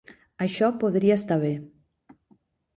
Això podria estar bé.